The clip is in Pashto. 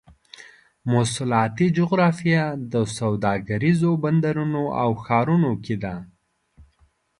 مواصلاتي جغرافیه د سوداګریزو بندرونو او ښارونو کې ده.